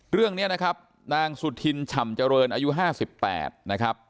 เรื่องนี้นะครับนางสุธินฉ่ำเจริญอายุ๕๘นะครับ